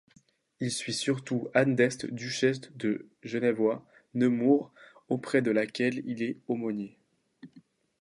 Il suit surtout Anne d'Este, duchesse de Genevois-Nemours, auprès de laquelle il est aumônier.